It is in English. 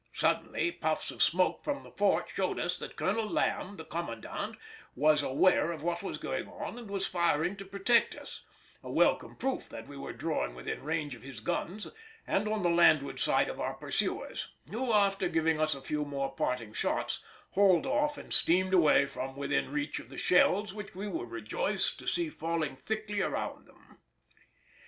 Suddenly, puffs of smoke from the fort showed us that Colonel Lamb, the commandant, was aware of what was going on and was firing to protect us; a welcome proof that we were drawing within range of his guns and on the landward side of our pursuers, who, after giving us a few more parting shots, hauled off and steamed away from within reach of the shells which we were rejoiced to see falling thickly around them.